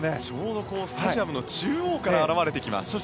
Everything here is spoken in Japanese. ちょうどスタジアムの中央から現れてきます。